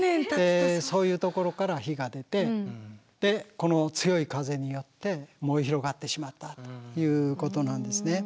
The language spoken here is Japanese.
そういう所から火が出てでこの強い風によって燃え広がってしまったということなんですね。